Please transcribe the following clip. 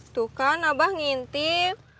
tuh kan abah ngintip